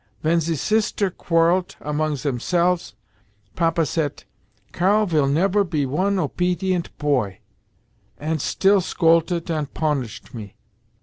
Ven ze sister quarrellet among zemselves Papa sayt, 'Karl vill never be one opedient poy,' ant still scoltet ant ponishet me.